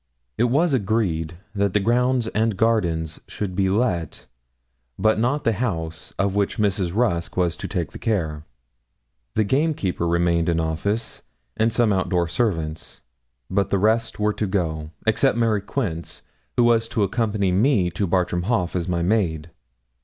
It was agreed that the grounds and gardens should be let, but not the house, of which Mrs. Rusk was to take the care. The gamekeeper remained in office, and some out door servants. But the rest were to go, except Mary Quince, who was to accompany me to Bartram Haugh as my maid.